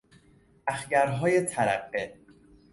اخگرهای ترقه